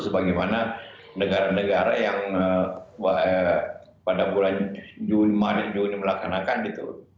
sebagaimana negara negara yang pada bulan juni maret juni melakonakan itu turun drastis